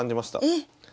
えっ！